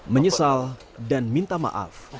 menyesal dan minta maaf